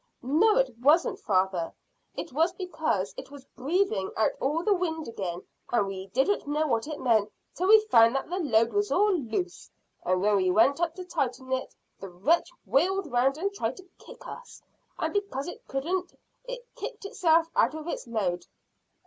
"No, it wasn't, father; it was because it was breathing out all the wind again, and we didn't know what it meant till we found that the load was all loose, and when we went up to tighten it the wretch wheeled round and tried to kick us, and because it couldn't it kicked itself out of its load."